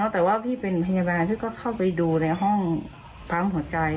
แต่ว่าพี่เป็นพยาบาลพี่ก็เข้าไปดูในห้องปั๊มหัวใจ